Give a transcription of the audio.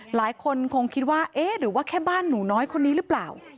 หลายคนคงคิดว่าเอ๊ะหรือว่าแค่บ้านหนูน้อยคนนี้หรือเปล่า